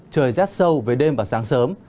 trời rét sâu về đêm và sáng sớm